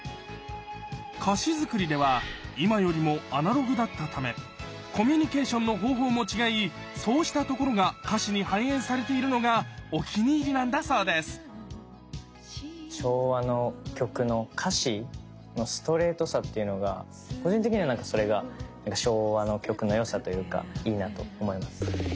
歌詞作りでは今よりもアナログだったためコミュニケーションの方法も違いそうしたところが歌詞に反映されているのがお気に入りなんだそうです昭和の曲の歌詞のストレートさっていうのが個人的にはそれが昭和の曲の良さというかいいなと思います。